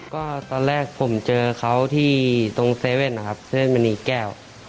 ก็ตอนแรกผมเจอเขาที่ตรงเซเว่นนะครับเส้นมณีแก้ว